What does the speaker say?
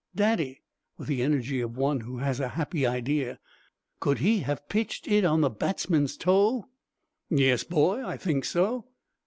"Daddy," with the energy of one who has a happy idea, "could he have pitched it on the batsman's toe?" "Yes, boy, I think so."